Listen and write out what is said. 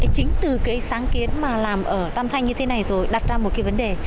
chính từ cái sáng kiến mà làm ở tam thanh như thế này rồi đặt ra một cái vấn đề